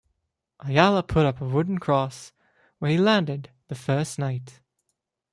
Ayala put up a wooden cross where he landed the first night.